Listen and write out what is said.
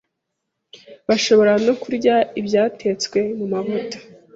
Bashobora no kurya ibyatetswe mu mavuta